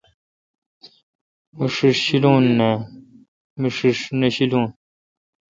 می ݭیݭ شوُل نان۔۔۔۔می ݭیݭ نہ شیلون